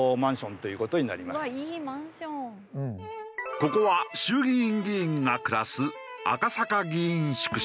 ここは衆議院議員が暮らす赤坂議員宿舎。